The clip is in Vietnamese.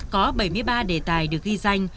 có bảy mươi ba đề tài được ghi danh